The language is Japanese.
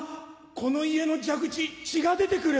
この家の蛇口血が出てくる。